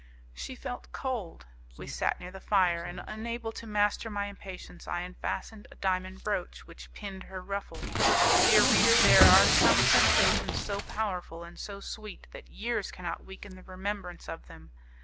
She felt cold, we sat near the fire; and unable to master my impatience I unfastened a diamond brooch which pinned her ruffle. Dear reader, there are some sensations so powerful and so sweet that years cannot weaken the remembrance of them.